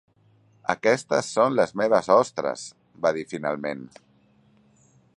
Aquestes són les meves ostres, va dir finalment.